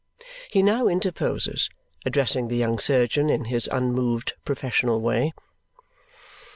He now interposes, addressing the young surgeon in his unmoved, professional way.